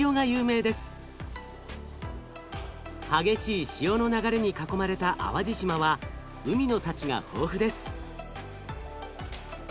激しい潮の流れに囲まれた淡路島は海の幸が豊富です。